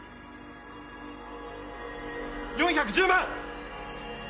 ４１０万！